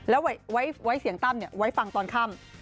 แล้วไว้เสียงตั้มไว้ฟังตอนค่ำ